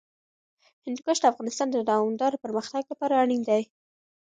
هندوکش د افغانستان د دوامداره پرمختګ لپاره اړین دي.